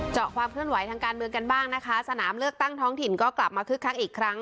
ความเคลื่อนไหวทางการเมืองกันบ้างนะคะสนามเลือกตั้งท้องถิ่นก็กลับมาคึกคักอีกครั้ง